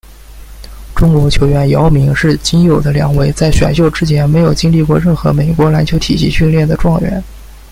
中国球员姚明是仅有的两位在选秀之前没有经历过任何美国篮球体系训练的状元。